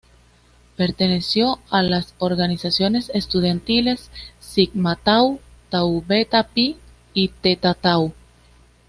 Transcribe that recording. Perteneció a las organizaciones estudiantiles Sigma Tau, Tau Beta Pi y Theta Tau.